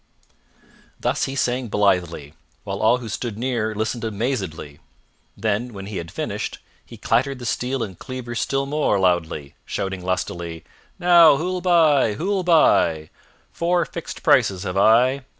Thus he sang blithely, while all who stood near listened amazedly. Then, when he had finished, he clattered the steel and cleaver still more loudly, shouting lustily, "Now, who'll buy? Who'll buy? Four fixed prices have I.